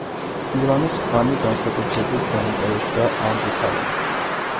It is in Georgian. გილანის ხანი განსაკუთრებით დაინტერესდა ამ ვითარებით.